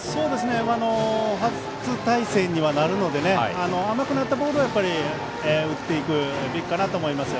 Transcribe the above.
初対戦にはなるので甘くなったボールは打っていくべきかなと思います。